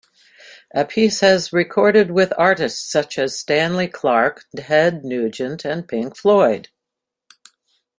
Appice has recorded with artists such as Stanley Clarke, Ted Nugent, and Pink Floyd.